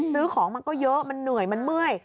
ซื้อของมันก็เยอะมันเหนื่อยมันเมื่อย